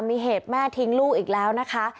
มีเหตุแม่ทิ้งลูกอีกแล้วนะคะ